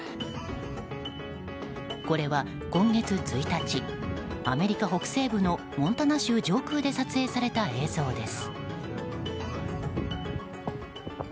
これは今月１日アメリカ北西部のモンタナ州上空で撮影された映像です。